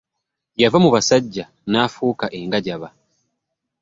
Yava mu busajja nafuuka engajaba.